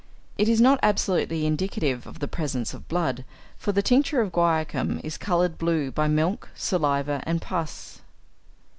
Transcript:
It is not absolutely indicative of the presence of blood, for tincture of guaiacum is coloured blue by milk, saliva, and pus.